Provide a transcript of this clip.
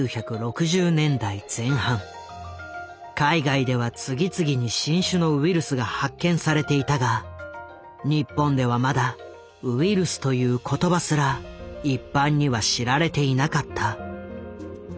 海外では次々に新種のウイルスが発見されていたが日本ではまだウイルスという言葉すら一般には知られていなかった。